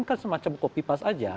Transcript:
dpr kan semacam kopi pas saja